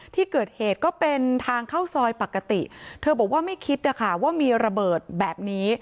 ที่เกิดเหตุก็เป็นทางเข้าซอยปกติเธอบอกว่าไม่คิดนะคะว่ามีระเบิดแบบนี้